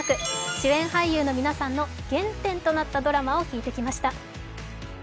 主演俳優の皆さんの原点となったドラマを聞いてきました。